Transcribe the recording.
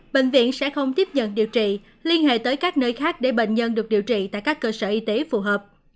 bệnh viện sẽ không tiếp nhận điều trị liên hệ tới các nơi khác để bệnh nhân được điều trị tại các cơ sở y tế phù hợp